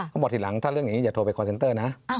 บอกทีหลังถ้าเรื่องอย่างนี้อย่าโทรไปคอนเซนเตอร์นะ